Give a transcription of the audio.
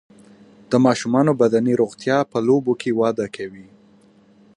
د ماشومانو بدني روغتیا په لوبو کې وده کوي.